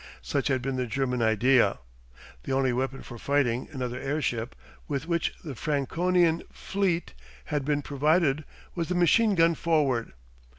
Such had been the German idea. The only weapon for fighting another airship with which the Franconian fleet had been provided was the machine gun forward.